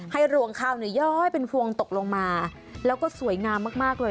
รวงข้าวเนี่ยย้อยเป็นพวงตกลงมาแล้วก็สวยงามมากเลย